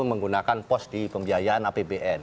menggunakan pos di pembiayaan apbn